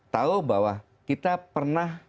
tahu bahwa kita pernah